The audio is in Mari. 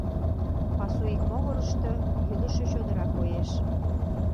Пасу ик могырышто йӱлышӧ чодыра коеш.